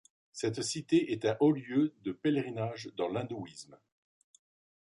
Cette cité est un haut lieu de pèlerinage dans l'hindouisme.